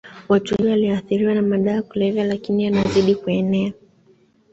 watu wengi walioathiriwa na madawa ya kulevya lakini yanazidi kuenea